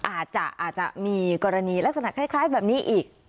อาจจะมีกรณีลักษณะคล้ายแบบนี้อีก